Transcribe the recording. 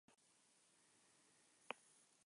Además, cuenta con la financiación de empresas privadas.